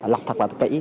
lập thật là tự kỷ